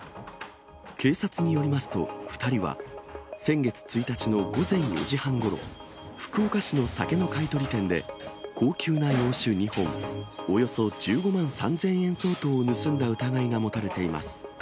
警察によりますと、２人は先月１日の午前４時半ごろ、福岡市の酒の買い取り店で、高級な洋酒２本、およそ１５万３０００円相当を盗んだ疑いが持たれています。